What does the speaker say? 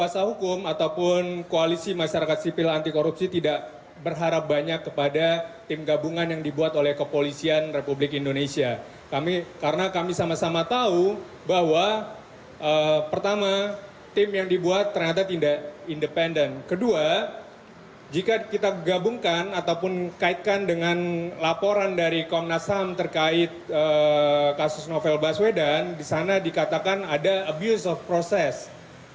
jika kita gabungkan ataupun mengaitkan dengan laporan dari komnas ham terkait kasus novel baswedan disana dikatakan ada abuse of process